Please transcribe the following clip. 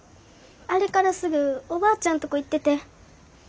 あれからすぐおばあちゃんとこ行ってて。